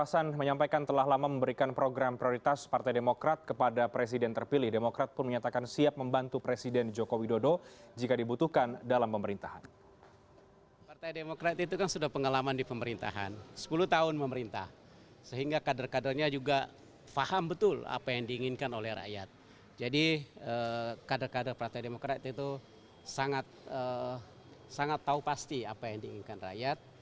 sangat tahu pasti apa yang diinginkan rakyat